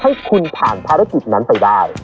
ให้คุณผ่านภารกิจนั้นไปได้